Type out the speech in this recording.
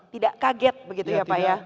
tidak kaget begitu ya pak ya